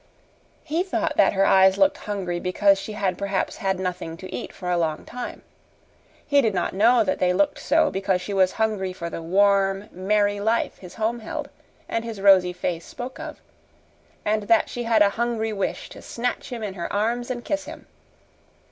He thought that her eyes looked hungry because she had perhaps had nothing to eat for a long time. He did not know that they looked so because she was hungry for the warm, merry life his home held and his rosy face spoke of, and that she had a hungry wish to snatch him in her arms and kiss him.